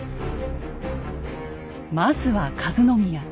まずは和宮。